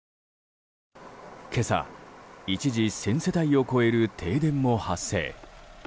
今朝、一時１０００世帯を超える停電も発生。